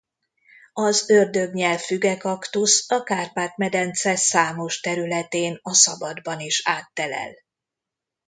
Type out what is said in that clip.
Az ördögnyelv-fügekaktusz a Kárpát-medence számos területén a szabadban is áttelel.